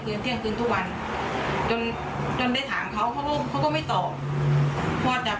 เหมือนกับแบรนดี้สร้างแล้วนะครับ